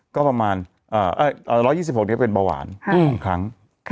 ก็ประมาณ๑๒๖นี้เป็นเบาหวาน๒ครั้ง